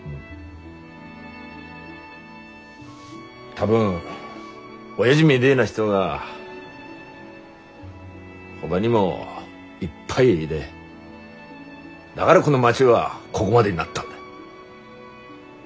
多分おやじみでえな人がほがにもいっぱいいでだがらこの町はこごまでになったんだ。